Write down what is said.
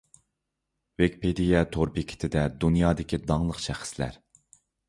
ۋىكىپېدىيە تور بېكىتىدە دۇنيادىكى داڭلىق شەخسلەر.